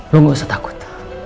lo gak usah takut